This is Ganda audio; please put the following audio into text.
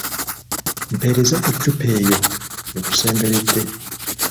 Mpeereza ku ccupa eyo ekusemberedde.